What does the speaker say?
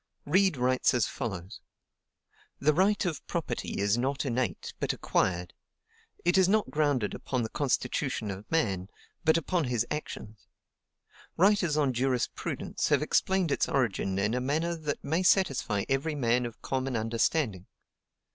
Reid writes as follows: "The right of property is not innate, but acquired. It is not grounded upon the constitution of man, but upon his actions. Writers on jurisprudence have explained its origin in a manner that may satisfy every man of common understanding.